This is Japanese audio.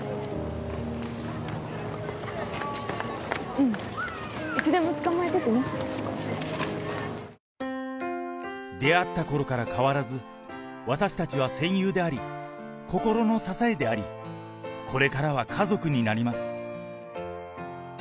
うん、出会ったころから変わらず、私たちは戦友であり、心の支えであり、これからは家族になります。